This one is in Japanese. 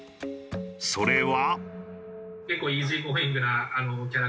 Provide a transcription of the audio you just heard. それは。